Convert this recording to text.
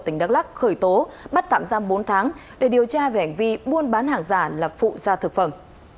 tỉnh đắk lắc khởi tố bắt tạm giam bốn tháng để điều tra về hành vi buôn bán hàng giả là phụ gia thực phẩm